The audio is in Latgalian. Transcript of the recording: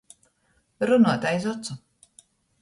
Runuot aiz ocu.